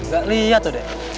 gak liat tuh deh